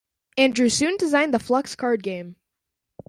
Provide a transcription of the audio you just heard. Andrew soon designed the Fluxx card game.